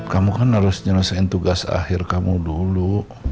kamu kan harus menyelesaikan tugas akhir kamu dulu